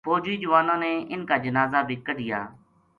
فوجی جواناں نے انھ کا جنازا بے کڈھیا